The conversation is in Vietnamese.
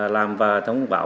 làm và thông báo